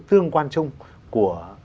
tương quan chung của